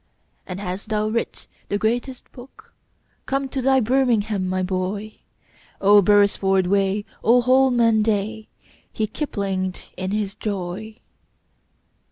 "And hast thou writ the greatest book? Come to thy birmingham, my boy! Oh, beresford way! Oh, holman day!" He kiplinged in his joy.